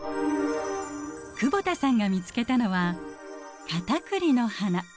久保田さんが見つけたのはカタクリの花。